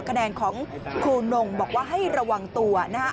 คะแนนของครูนงบอกว่าให้ระวังตัวนะฮะ